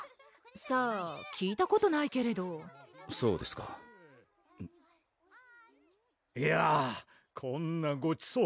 さぁ聞いたことないけれどそうですかいやぁこんなごちそう